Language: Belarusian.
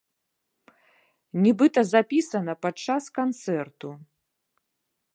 Нібыта запісана падчас канцэрту!